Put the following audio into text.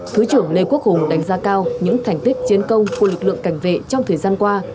thứ trưởng lê quốc hùng đánh giá cao những thành tích chiến công của lực lượng cảnh vệ trong thời gian qua